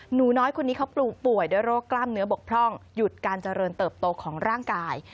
หนูน้อยคนนี้เขาปลูกป่วยด้วยโรคกล้ามเนื้อบกพร่องหยุดการเจริญเติบโตของร่างกาย